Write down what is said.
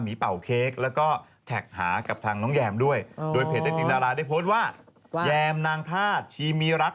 มีผู้รักกับพี่สาวชั้น